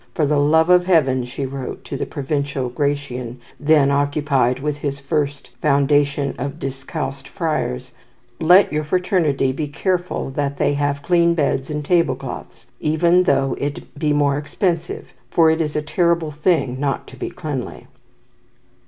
"For the love of Heaven," she wrote to the Provincial, Gratian, then occupied with his first foundation of discalced friars, "let your fraternity be careful that they have clean beds and tablecloths, even though it be more expensive, for it is a terrible thing not to be cleanly."